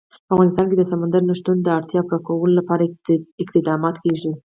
په افغانستان کې د سمندر نه شتون د اړتیاوو پوره کولو لپاره اقدامات کېږي.